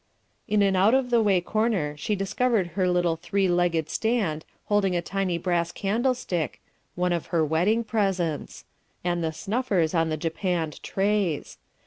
In an out of the way corner she discovered her little three legged stand holding a tiny brass candlestick (one of her wedding presents) and the snuffers on the japanned trays.